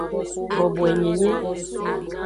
Boboenyenye.